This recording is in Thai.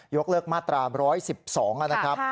กเลิกมาตรา๑๑๒นะครับ